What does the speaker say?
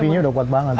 ipnya udah kuat banget